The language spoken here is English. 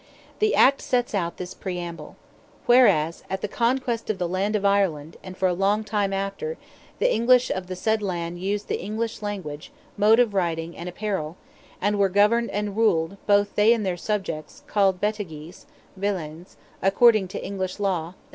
The Act sets out with this preamble: "Whereas, at the conquest of the land of Ireland, and for a long time after, the English of the said land used the English language, mode of riding, and apparel, and were governed and ruled, both they and their subjects, called Betaghese (villeins), according to English law, &c.